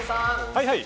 はいはい。